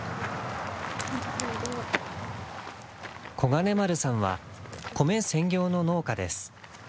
小金丸さんは米専業の農家です。